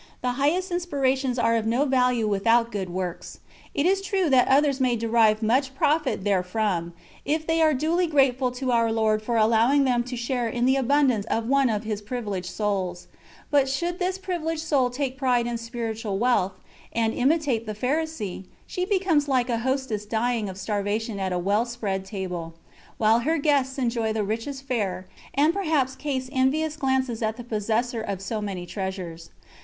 The highest inspirations are of no value without good works. It is true that others may derive much profit therefrom, if they are duly grateful to our Lord for allowing them to share in the abundance of one of His privileged souls; but should this privileged soul take pride in spiritual wealth, and imitate the Pharisee, she becomes like to a hostess dying of starvation at a well spread table, while her guests enjoy the richest fare, and perhaps cast envious glances at the possessor of so many treasures.